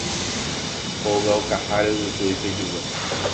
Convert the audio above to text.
Óga okaháre Yvytu oipejuve